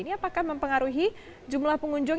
ini apakah mempengaruhi jumlah pengunjung